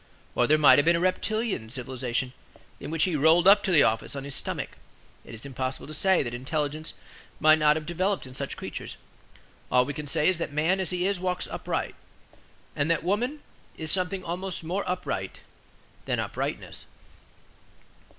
Or there might have been a reptilian civilization, in which he rolled up to the office on his stomach; it is impossible to say that intelligence might not have developed in such creatures. All we can say is that man as he is walks upright; and that woman is something almost more upright than uprightness.